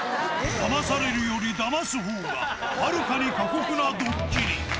ダマされるよりダマすほうがはるかに過酷なドッキリ。